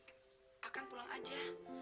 kakak pulang aja